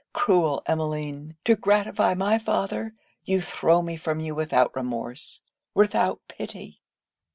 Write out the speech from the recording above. Cruel Emmeline! to gratify my father you throw me from you without remorse, without pity.